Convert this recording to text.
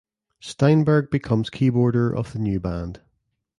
Steinberg becomes keyboarder of the new band.